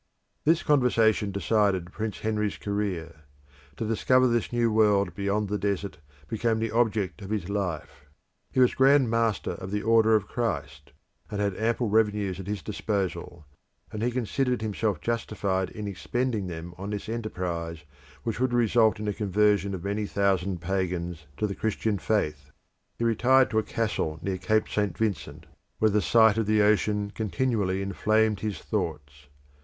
This conversation decided Prince Henry's career. To discover this new world beyond the desert became the object of his life. He was Grand Master of the Order of Christ, and had ample revenues at his disposal and he considered himself justified in expending them on this enterprise which would result in the conversion of many thousand pagans to the Christian faith. He retired to a castle near Cape St. Vincent, where the sight of the ocean continually inflamed his thoughts.